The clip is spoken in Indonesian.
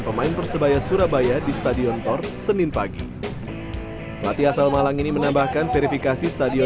pemain persebaya surabaya di stadion thor senin pagi latih asal malang ini menambahkan verifikasi